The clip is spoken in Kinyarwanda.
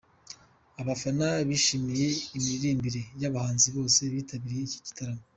Abafana bishimiye imiririmbire y'abahanzi bose bitabiriye iki gitaramo.